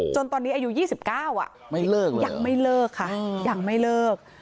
จนตอนนี้อายุ๒๙ยังไม่เลิกค่ะยังไม่เลิก